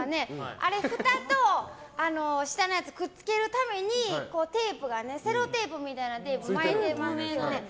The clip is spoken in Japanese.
あれ、ふたと下のやつをくっつけるためにセロテープみたいなテープ巻いてますよね。